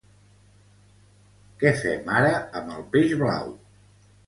Què fem ara amb el peix blau?